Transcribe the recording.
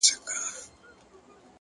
د تجربې ارزښت په وخت څرګندیږي!.